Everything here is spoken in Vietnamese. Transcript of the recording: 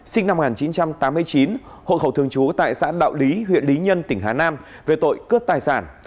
sinh năm một nghìn chín trăm tám mươi chín hộ khẩu thường trú tại xã đạo lý huyện lý nhân tỉnh hà nam về tội cướp tài sản